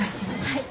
はい。